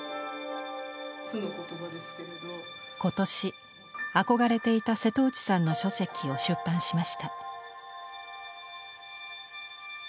ことし、憧れていた瀬戸内さんの書籍を出版しました。